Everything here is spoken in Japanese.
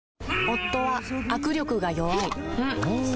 夫は握力が弱い